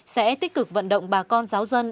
sẽ tích cực vận động bà con giáo dân